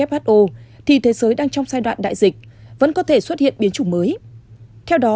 who thì thế giới đang trong giai đoạn đại dịch vẫn có thể xuất hiện biến chủng mới theo đó